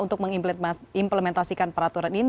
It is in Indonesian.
untuk mengimplementasikan peraturan ini